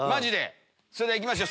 それでは行きましょう！